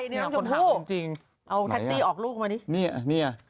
เอาแท็กซี่ออกลูกมานี่